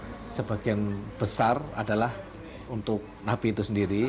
ada beberapa yang sudah laku alhamdulillah sebagian besar adalah untuk nabi itu sendiri